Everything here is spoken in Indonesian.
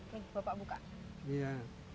hai bapak buka iya